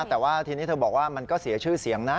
แต่ว่าทีนี้เธอบอกว่ามันก็เสียชื่อเสียงนะ